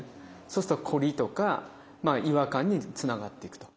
そうするとコリとか違和感につながっていくと。